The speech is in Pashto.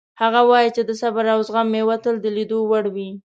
هغه وایي چې د صبر او زغم میوه تل د لیدو وړ وي